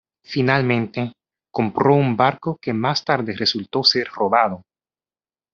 Finalmente, compró un barco que más tarde resultó ser robado.